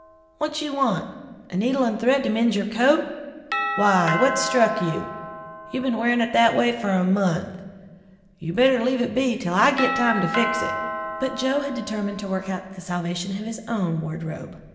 What you want? A needle and thread to mend your coat? Why, what struck you? You been wearin' it that a way for a month. You better leave it be 'til I git time to fix it." But Joe had determined to work out the salvation of his own wardrobe.